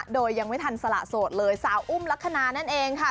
โดยยังไม่ทันสละโสดเลยสาวอุ้มลักษณะนั่นเองค่ะ